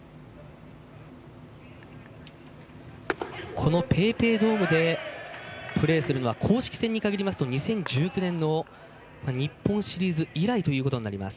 このＰａｙＰａｙドームでプレーするのは公式戦に限りますと２０１９年の日本シリーズ以来ということになります。